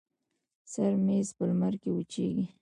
سر ممیز په لمر کې وچیږي.